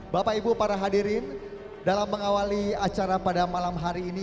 bapak ibu para hadirin dalam mengawali acara pada malam hari ini